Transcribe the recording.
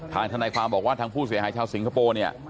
ทนายความบอกว่าทางผู้เสียหายชาวสิงคโปร์เนี่ย